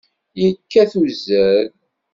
Yekkat uzal.